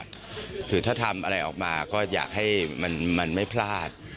คือถ้าทำอะไรออกมาก็อยากให้มันไม่พลาด